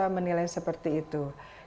bagaimana bisa menilai seperti itu